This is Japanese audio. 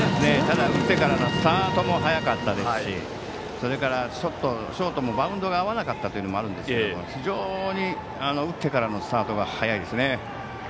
打ってからのスタートも早かったですしそれからショートもバウンドが合わなかったというのがあると思いますが非常に打ってからのスタートが早いですね。